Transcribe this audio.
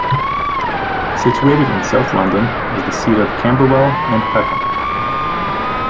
Situated in south London is the seat of Camberwell and Peckham.